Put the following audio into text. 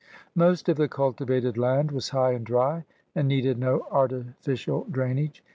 Most of the cultivated land was high and dry and needed no artificial drainage.